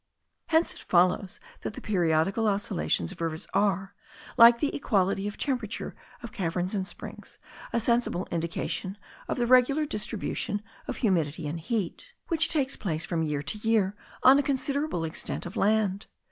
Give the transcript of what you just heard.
Hence it follows that the periodical oscillations of rivers are, like the equality of temperature of caverns and springs, a sensible indication of the regular distribution of humidity and heat, which takes place from year to year on a considerable extent of land.